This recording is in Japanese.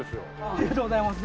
ありがとうございます。